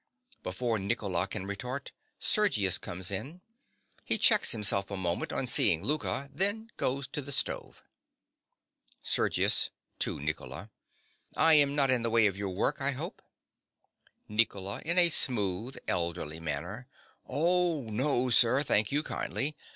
(Before Nicola can retort, Sergius comes in. He checks himself a moment on seeing Louka; then goes to the stove.) SERGIUS. (to Nicola). I am not in the way of your work, I hope. NICOLA. (in a smooth, elderly manner). Oh, no, sir, thank you kindly.